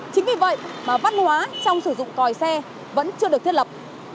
chính vì vậy mà văn hóa trong sử dụng còi xe vẫn chưa được thiết lập